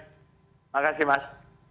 terima kasih mas